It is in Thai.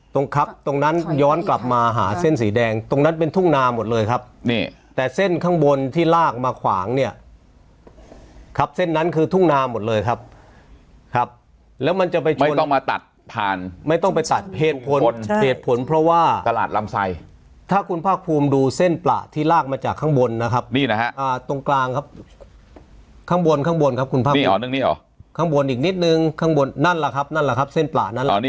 ตรงนั้นย้อนกลับมาหาเส้นสีแดงตรงนั้นเป็นทุ่งนาหมดเลยครับนี่แต่เส้นข้างบนที่ลากมาขวางเนี้ยครับเส้นนั้นคือทุ่งนาหมดเลยครับครับแล้วมันจะไปไม่ต้องมาตัดผ่านไม่ต้องไปตัดเหตุผลเหตุผลเพราะว่าตลาดลำไซด์ถ้าคุณภาคภูมิดูเส้นประที่ลากมาจากข้างบนนะครับนี่นะฮะอ่าตรงกลางครับข้างบนข้างบนครั